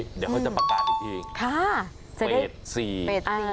เดี๋ยวเขาจะประกาศอีกทีใบเอียด๔